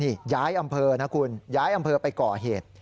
นี่ย้ายอำเภอนะคุณย้ายอำเภอไปก่อเหตุ